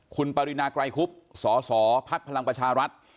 คุณปรินาไกรคุบสสพลังประชารัฐ